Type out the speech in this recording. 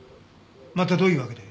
またどういうわけで？